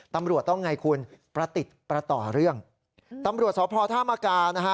ตำรวจต้องไงคุณประติดประต่อเรื่องตำรวจสพธามกานะฮะ